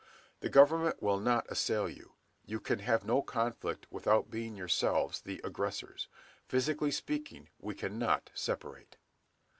The government will not assail you. You can have no conflict without being yourselves the aggressors.... Physically speaking we cannot separate."